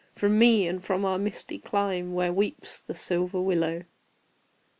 From me, and from our misty clime, Where weeps the silver willow!